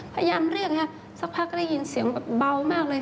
พยายามเรียกฮะสักพักก็ได้ยินเสียงแบบเบามากเลย